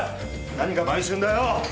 何が売春だよ！